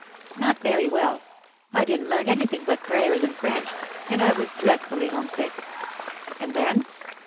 'Not very well. I didn't learn anything but prayers and French, and I was dreadfully homesick.' 'And then?